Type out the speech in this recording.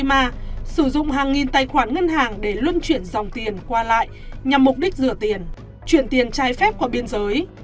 ma sử dụng hàng nghìn tài khoản ngân hàng để luân chuyển dòng tiền qua lại nhằm mục đích rửa tiền chuyển tiền trái phép qua biên giới